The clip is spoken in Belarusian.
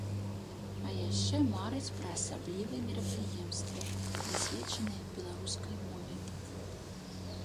А яшчэ марыць пра асаблівыя мерапрыемствы, прысвечаныя беларускай мове.